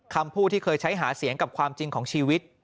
คำพูดที่เคยใช้หาเสียงกับความจริงของชีวิต